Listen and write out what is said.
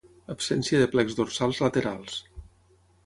Absència de plecs dorsals laterals.